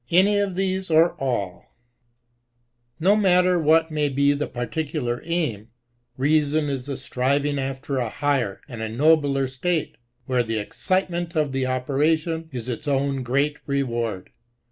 Any of these, or alL No matter what may be the particu lar aim, reason is the striving after a higher and a nobler state, where the eoeciiemeni of the ope ration ia its own great reward.